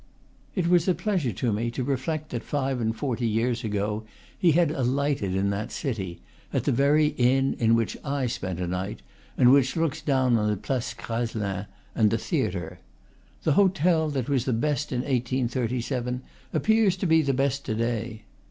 It was a pleasure to me to reflect that five and forty years ago he had alighted in that city, at the very inn in which I spent a night, and which looks down on the Place Graslin and the theatre. The hotel that was the best in 1837 appears to be the best to day.